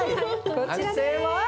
こちらです。